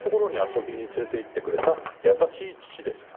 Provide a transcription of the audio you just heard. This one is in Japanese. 遊びに連れていってくれた優しい父でした」。